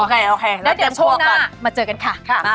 โอเคแล้วเตรียมครัวก่อนมาเจอกันค่ะ